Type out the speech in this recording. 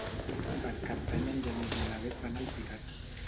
Per Cap d'Any en Genís i na Bet van a Alpicat.